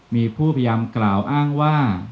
มีผู้พยายามกล่าวอ้างว่า